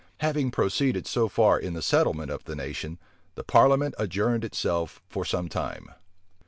Having proceeded so far in the settlement of the nation, the parliament adjourned itself for some time.